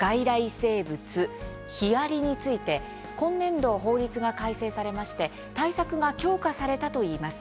生物・ヒアリについて今年度法律が改正され対策が強化されたといいます。